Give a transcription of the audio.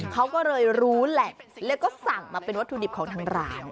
เขาก็เลยรู้แหละแล้วก็สั่งมาเป็นวัตถุดิบของทางร้าน